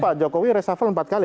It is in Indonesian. pak joko widodo resafel empat kali